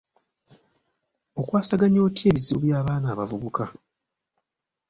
Okwasaganya otya ebizibu by'abaana abavubuka?